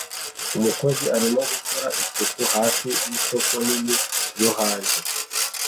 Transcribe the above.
Umukozi arimo gukora isuku hasi yisoko nini yo hanze